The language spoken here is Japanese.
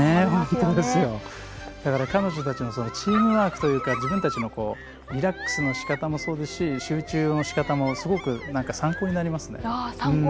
彼女たちのチームワークというか自分たちのリラックスのしかたもそうですし集中のしかたもすごく参考になりますね。